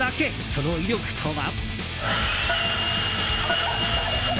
その威力とは。